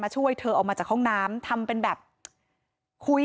มีชายแปลกหน้า๓คนผ่านมาทำทีเป็นช่วยค่างทาง